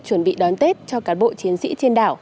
chuẩn bị đón tết cho cán bộ chiến sĩ trên đảo